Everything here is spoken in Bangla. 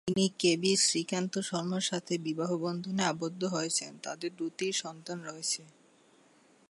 তিনি কে ভি শ্রীকান্ত শর্মার সাথে বিবাহবন্ধনে আবদ্ধ হয়েছেন, তাঁদের দুটি সন্তান রয়েছে।